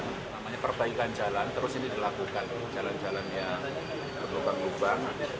namanya perbaikan jalan terus ini dilakukan jalan jalannya berlubang lubang